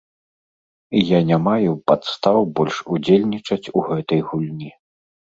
І я не маю падстаў больш удзельнічаць у гэтай гульні.